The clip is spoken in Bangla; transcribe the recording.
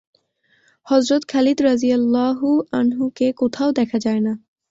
হযরত খালিদ রাযিয়াল্লাহু আনহু-কে কোথাও দেখা যায় না।